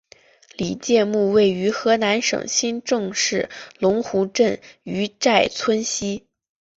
李诫墓位于河南省新郑市龙湖镇于寨村西。